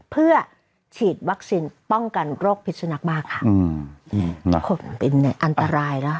เพื่อฉีดวัคซินป้องกันโรคภิคนักบ้าค่ะอือเป็นอันตรายแล้ว